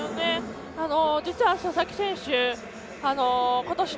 実は、佐々木選手